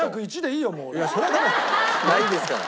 ないですから。